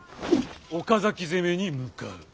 岡崎攻めに向かう。